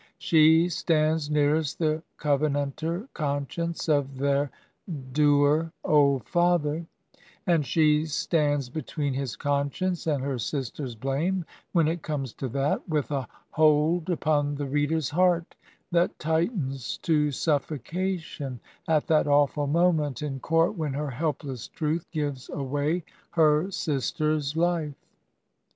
She stands nearest the Covenanter conscience of their "dour" old father, and she stands between his conscience and her sister's blame when it comes to that, with a hold upon the reader's heart that tightens to suffocation at that awfid moment in court when her helpless truth gives away her sister's life.